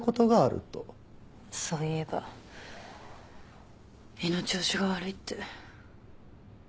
そういえば胃の調子が悪いって。